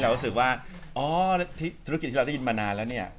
รู้สึกว่าอ๋อธุรกิจที่เราได้ยินมานานแล้วเนี่ย